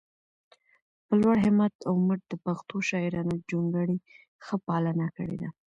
په لوړ همت او مټ د پښتو شاعرانه جونګړې ښه پالنه کړي ده